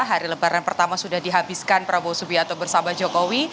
hari lebaran pertama sudah dihabiskan prabowo subianto bersama jokowi